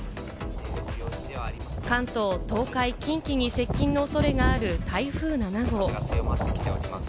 関東、東海、近畿に接近の恐れがある台風７号。